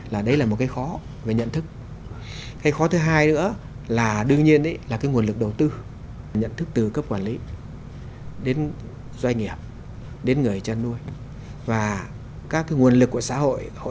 làm những cái sâu chuỗi